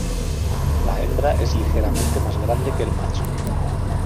La hembra es ligeramente más grande que el macho.